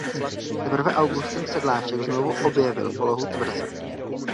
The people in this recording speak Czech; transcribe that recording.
Teprve Augustin Sedláček znovu objevil polohu tvrze.